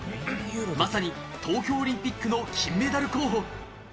まさに東京オリンピックの金メダル候補。